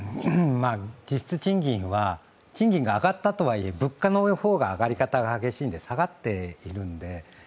実質賃金は、賃金が上がったとはいえ、物価の方が上がり方が激しいので下がっているので。